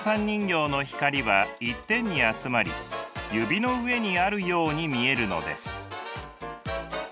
人形の光は一点に集まり指の上にあるように見えるのです。